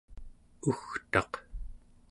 ugtaq